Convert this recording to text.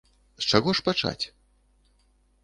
З чаго ж пачаць?